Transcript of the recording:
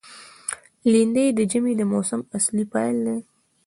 لېندۍ د ژمي د موسم اصلي پیل دی.